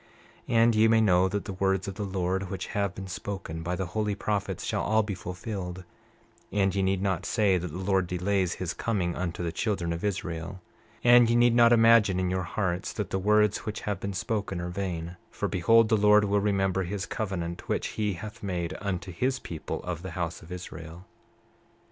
29:2 And ye may know that the words of the Lord, which have been spoken by the holy prophets, shall all be fulfilled; and ye need not say that the Lord delays his coming unto the children of Israel. 29:3 And ye need not imagine in your hearts that the words which have been spoken are vain, for behold, the Lord will remember his covenant which he hath made unto his people of the house of Israel.